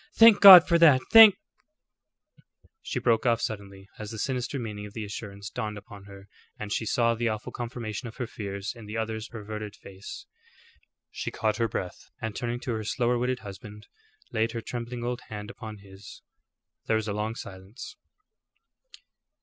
"Thank God for that! Thank " She broke off suddenly as the sinister meaning of the assurance dawned upon her and she saw the awful confirmation of her fears in the other's averted face. She caught her breath, and turning to her slower witted husband, laid her trembling old hand upon his. There was a long silence.